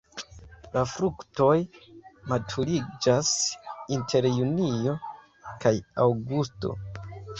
La fruktoj maturiĝas inter junio kaj aŭgusto.